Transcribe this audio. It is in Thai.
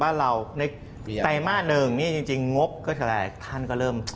ในไต้มาหนึ่งนี่จริงงบก็แสดงท่านก็เริ่ม